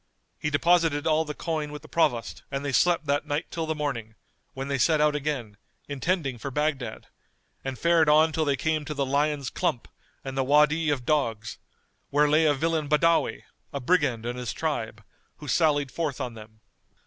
He deposited all the coin with the Provost and they slept that night till the morning, when they set out again, intending for Baghdad, and fared on till they came to the Lion's Clump and the Wady of Dogs, where lay a villain Badawi, a brigand and his tribe, who sallied forth on them.